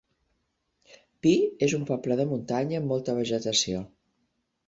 Pi és un poble de muntanya amb molta vegetació.